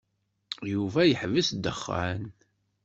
Yuba yeḥbes ddexxan.